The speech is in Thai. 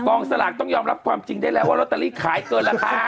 สลากต้องยอมรับความจริงได้แล้วว่าลอตเตอรี่ขายเกินราคา